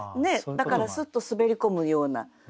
だからすっと滑り込むような。